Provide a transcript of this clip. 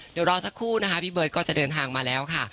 เดี๋ยวรอสักครู่นะคะพี่เบิร์ตก็จะเดินทางมาแล้วค่ะ